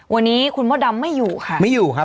วันนี้คุณมดดำไม่อยู่ค่ะไม่อยู่ครับ